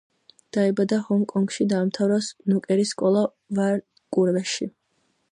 დაიბადა ჰონგ-კონგში, დაამთავრა სნუკერის სკოლა ვანკუვერში.